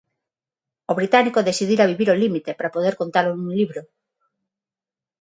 O británico decidira vivir ao límite para poder contalo nun libro.